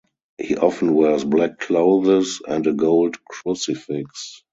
He often wears black clothes and a gold crucifix.